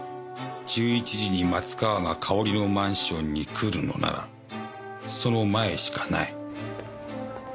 １１時に松川がかおりのマンションに来るのならその前しかない。